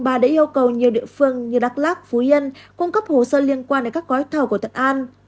c ba đã yêu cầu nhiều địa phương như đắk lạc phú yên cung cấp hồ sơ liên quan đến các gói thầu của thuận an